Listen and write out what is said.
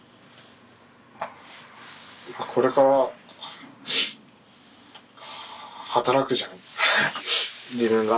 これから働くじゃん自分が。